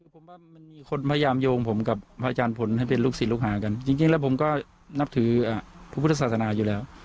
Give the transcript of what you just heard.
ผมว่ามันมีคนพยายามโยงผมกับพระอาจารย์ผลให้เป็นลูกศิษย์ลูกหากันจริงแล้วผมก็นับถือพระพุทธศาสนาอยู่แล้ว